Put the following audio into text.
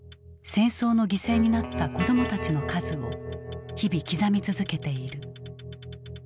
戦争の犠牲になった子どもたちの数を日々刻み続けている。